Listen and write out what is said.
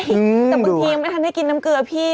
แต่บางทียังไม่ทันได้กินน้ำเกลือพี่